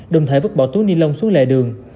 đồng thời vứt bỏ túi ni lông xuống lề đường